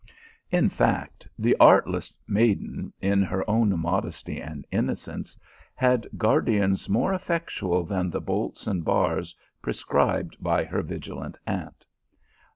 In fact, the artless maiden, in her own modesty and innocence, had guardians more effectual than the bolts and bars prescribed by her vigilant aunt.